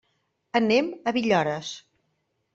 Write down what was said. Anem a Villores.